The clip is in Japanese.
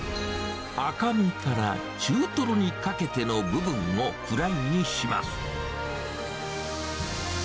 赤身から中トロにかけての部分をフライにします。